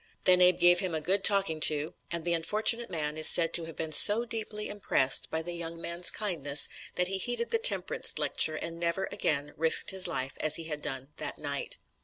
Then Abe gave him "a good talking to," and the unfortunate man is said to have been so deeply impressed by the young man's kindness that he heeded the temperance lecture and never again risked his life as he had done that night.